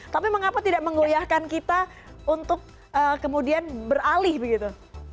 tapi mengapa tidak menguliahkan kita untuk kemudian beralih begitu